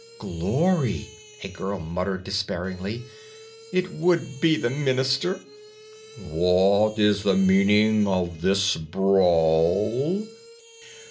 "Glory," a girl muttered despairingly. "It would be the minister." "What is the meaning of this brawl?"